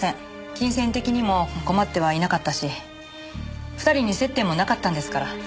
金銭的にも困ってはいなかったし２人に接点もなかったんですから。